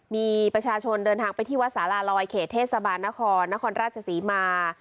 มีประชาชนเดินทางไปที่วัดสาราลอยเขตเทศบาลนครนครราชศรีมา